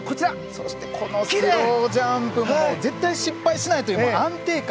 このスロージャンプも絶対に失敗しないという安定感。